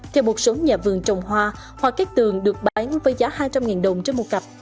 theo một số nhà vườn trồng hoa hoa cát tường được bán với giá hai trăm linh đồng trên một cặp